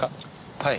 はい。